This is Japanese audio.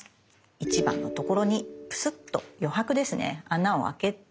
１番のところにプスッと余白ですね穴をあけて。